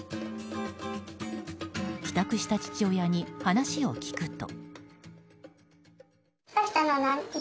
帰宅した父親に話を聞くと。